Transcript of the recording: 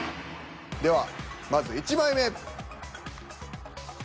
ではまず１枚目。